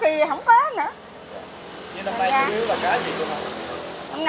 nhưng năm nay có nhiều là cá gì luôn hả